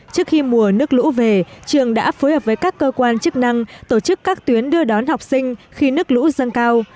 trước khi mùa nước lũ về trường đã phối hợp với các cơ quan chức năng tổ chức các tuyến đưa đón học sinh khi nước lũ dâng cao